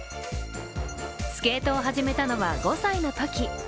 スケートを始めたのは５歳のとき。